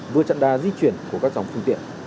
vừa chặn đà di chuyển của các dòng phương tiện